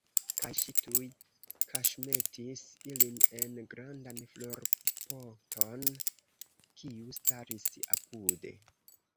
Kaj ŝi tuj kaŝmetis ilin en grandan florpoton, kiu staris apude.